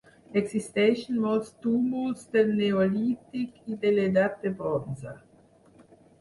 Existeixen molts túmuls del Neolític i de l'Edat de Bronze.